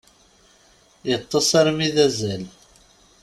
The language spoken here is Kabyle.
Iṭṭes armi d azal.